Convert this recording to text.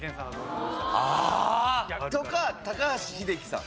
ああ！とか高橋英樹さん。